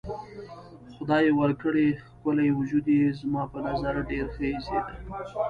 خدای ورکړی ښکلی وجود یې زما په نظر ډېر ښه ایسېده.